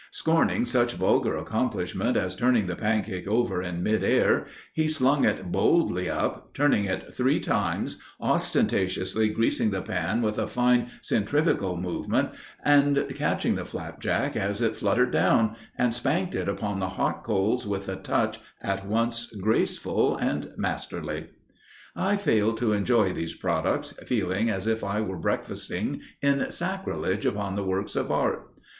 Scorning such vulgar accomplishment as turning the cake over in mid air, he slung it boldly up, turning it three times, ostentatiously greasing the pan with a fine centrifugal movement, and catching the flapjack as it fluttered down, and spanked it upon the hot coals with a touch at once graceful and masterly. I failed to enjoy these products, feeling as if I were breakfasting in sacrilege upon works of art.